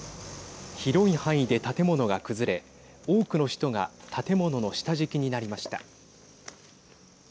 広い範囲で建物が崩れ多くの人が建物の下敷きになりました。